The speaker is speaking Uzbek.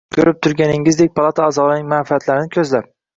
Ko‘rib turganingizdek palata a’zolarining manfaatlarini ko‘zlab!